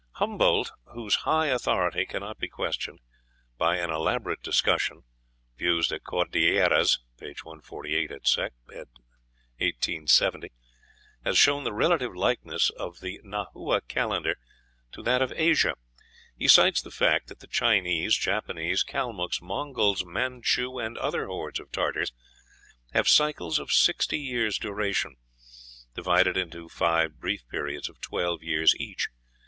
Humboldt, whose high authority cannot be questioned, by an elaborate discussion ("Vues des Cordilleras," p. 148 et. seq., ed. 1870), has shown the relative likeness of the Nahua calendar to that of Asia. He cites the fact that the Chinese, Japanese, Calmucks, Mongols, Mantchou, and other hordes of Tartars have cycles of sixty years' duration, divided into five brief periods of twelve years each.